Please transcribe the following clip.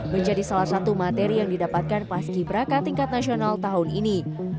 menjadi salah satu materi yang didapatkan paski braka tingkat nasional tahun ini